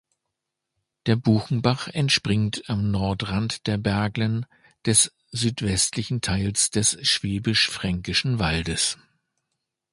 Der Buchenbach entspringt am Nordrand der Berglen, des südwestlichen Teils des Schwäbisch-Fränkischen Waldes.